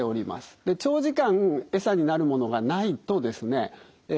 長時間エサになるものがないとですねえ